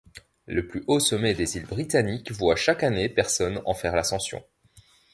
Le plus haut sommet des îles Britanniques voit chaque année personnes en faire l'ascension.